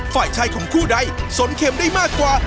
ฝ่ายชายของคู่ใดสนเข็มได้มากกว่า